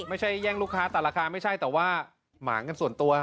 แย่งลูกค้าแต่ราคาไม่ใช่แต่ว่าหมากันส่วนตัว